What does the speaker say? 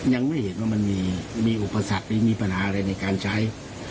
ยังไม่เห็นว่ามันมีอุปสรรคหรือมีปัญหาอะไรในการใช้